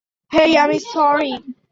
হেই, আমি সরি!